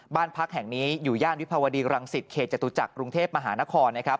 บ้านพักแห่งนี้อยู่ย่านวิภาวดีรังศิษฐ์เขจตุจักรุงเทพฯมหานคร